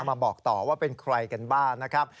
มาบอกต่อว่าเป็นใครกันบ้างนะครับ